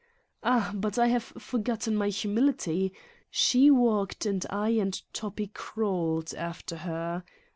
Ah, but I have forgotten my humility! She walked and I and Toppi crawled after her.